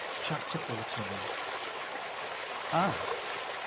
CHAPTER FOURTEENTH. "Ah!